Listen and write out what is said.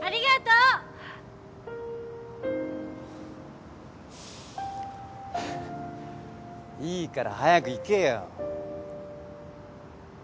いいから早く行けよ。